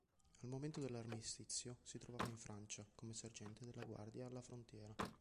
Al momento dell'armistizio si trovava in Francia, come sergente della Guardia alla frontiera.